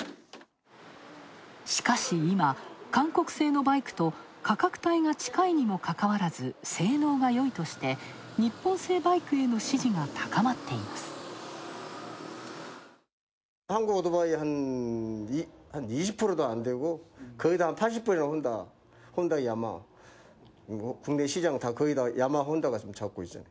しかし、今、韓国製のバイクと価格帯が近いにもかかわらず、性能がよいとして、日本製バイクへの支持が高まっています。